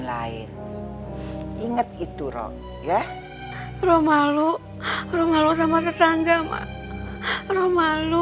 lain inget itu roh ya roh malu malu sama tetangga mak roh malu